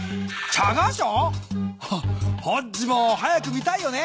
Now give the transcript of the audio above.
ホッジも早く見たいよね！